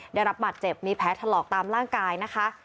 ได้รับบาดเจ็บมีแผลถลอกตามร่างกายนะคะ